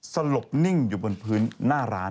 สลบนิ่งอยู่บนพื้นหน้าร้าน